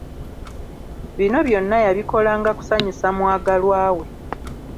Bino byonna yabikolanga kusanyusa mwagalwa we.